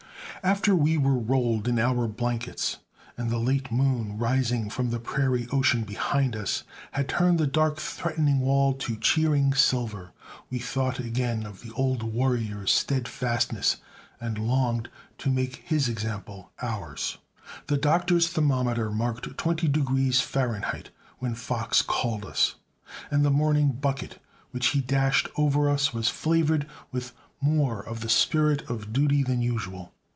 [Illustration: THE CHIEF'S CROWN, FROM THE EAST.] After we were rolled in our blankets, and the late moon, rising from the prairie ocean behind us, had turned the dark, threatening wall to cheering silver, we thought again of the old warrior's steadfastness and longed to make his example ours. The Doctor's thermometer marked 20 degrees Fahrenheit when Fox called us, and the morning bucket which he dashed over us was flavored with more of the spirit of duty than usual.